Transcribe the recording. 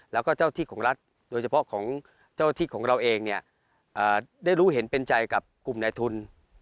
แล้วก็เจ้าที่ของรัฐโดยเฉพาะของเจ้าที่ของเราเองเนี่ยได้รู้เห็นเป็นใจกับกลุ่มในทุน